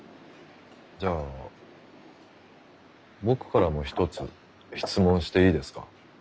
じゃあ僕からも一つ質問していいですか？